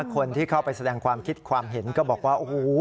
คนที่เข้าไปแสดงความคิดความเห็นก็บอกว่าโอ้โห